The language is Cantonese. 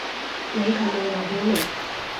你係咪黃曉明